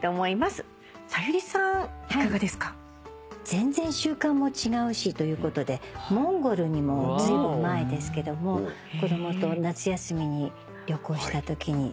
全然習慣も違うしということでモンゴルにもうずいぶん前ですけども子供と夏休みに旅行したときに。